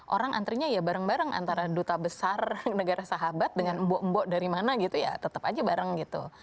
orang antrinya ya bareng bareng antara duta besar negara sahabat dengan mbok mbok dari mana gitu ya tetap aja bareng gitu